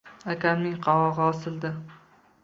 Akamning qovog'i osildi: